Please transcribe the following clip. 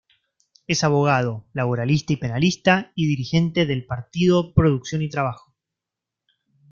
Es abogado —laboralista y penalista— y dirigente del partido Producción y Trabajo.